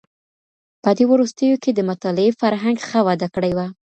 په دې وروستيو کي د مطالعې فرهنګ ښه وده کړې وه.